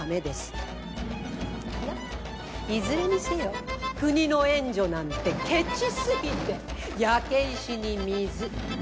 がいずれにせよ国の援助なんてケチ過ぎて焼け石に水。